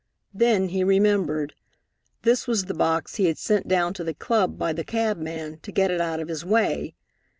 Then he remembered. This was the box he had sent down to the club by the cabman, to get it out of his way.